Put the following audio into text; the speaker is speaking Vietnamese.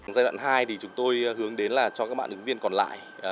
giai đoạn hai thì chúng tôi hướng đến là cho các bạn ứng viên còn lại